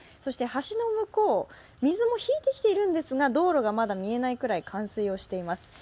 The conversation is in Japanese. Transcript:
橋の向こう、水も引いてきているんですが、道路がまだ見えないくらい冠水をしています。